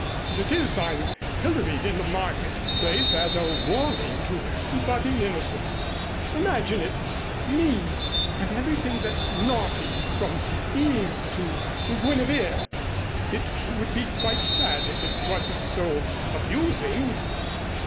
As it is I'm pilloried in the market place as a warning to budding innocence! Imagine it! Me! I'm everything that's naughty, from Eve to Guinevere. It would be quite sad, if it wasn't so amusing.